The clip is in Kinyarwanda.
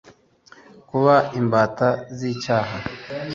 kuba imbata z icyaha